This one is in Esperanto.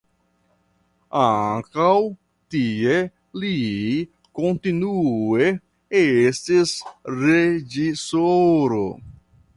Ankaŭ tie li kontinue estis reĝisoro.